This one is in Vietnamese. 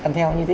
ăn theo như thế